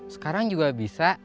sekarang juga bisa